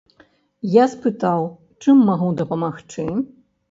Я спытаў, чым магу дапамагчы.